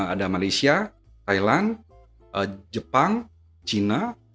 ada malaysia thailand jepang china